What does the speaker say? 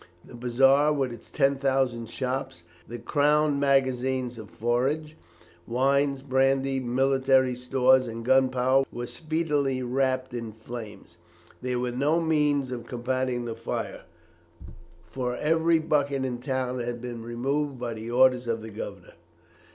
The bazaar, with its ten thousand shops, the crown magazines of forage, wines, brandy, military stores, and gunpowder were speedily wrapped in flames. There were no means of combating the fire, for every bucket in the town had been removed by the orders of the governor.